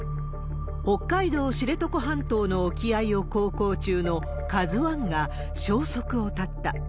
北海道知床半島の沖合を航行中のＫＡＺＵＩが消息を絶った。